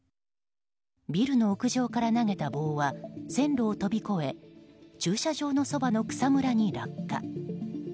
ビルの屋上から投げた棒は線路を飛び越え駐車場のそばの草むらに落下。